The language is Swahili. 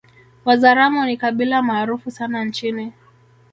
Wazaramo ni kabila maarufu sana nchini